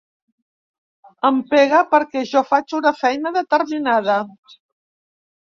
Em pega perquè jo faig una feina determinada.